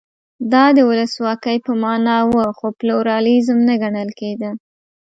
دا د ولسواکۍ په معنا و خو پلورالېزم نه ګڼل کېده.